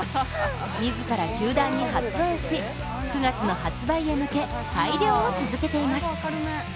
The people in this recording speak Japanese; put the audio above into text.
自ら球団に発案し９月の発売へ向け改良を続けています。